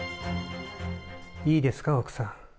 いいですか、奥さん。